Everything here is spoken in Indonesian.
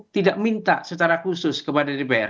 tidak minta secara khusus kepada dpr